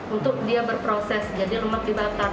untuk dia berproses jadi lemak dibakar